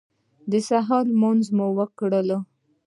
د سهار لمونځونه مو وکړل.